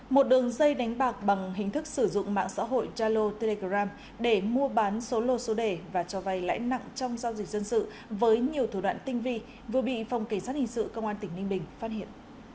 một đường dây đánh bạc bằng hình thức sử dụng mạng xã hội jalo telegram để mua bán số lô số đề và cho vay lãi nặng trong giao dịch dân sự với nhiều thủ đoạn tinh vi vừa bị phòng kỳ sát hình sự công an tỉnh ninh bình phát hiện